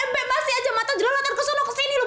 mbak siajah mata jelang latar kesana kesini lu